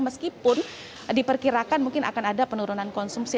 meskipun diperkirakan mungkin akan ada penurunan konsumsi